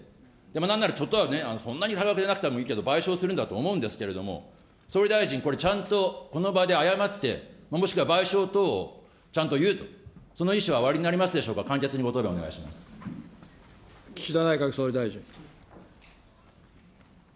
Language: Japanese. なんならちょっとはね、そんなにではなくて賠償するんだと思うんですけれども、これちゃんとこの場で謝って、もしくは賠償等、ちゃんという、その意思はおありになりますでしょうか、簡潔にご答弁お願いしま岸田内閣総理大臣。